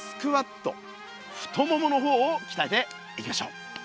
太ももの方をきたえていきましょう。